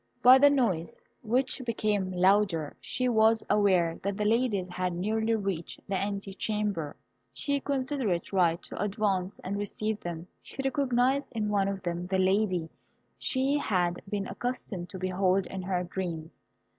By the noise, which became louder, she was aware that the ladies had nearly reached the ante chamber. She considered it right to advance and receive them. She recognised in one of them the Lady she had been accustomed to behold in her dreams.